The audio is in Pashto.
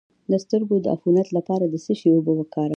د سترګو د عفونت لپاره د څه شي اوبه وکاروم؟